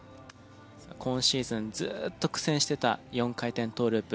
今シーズンずっと苦戦してた４回転トーループ。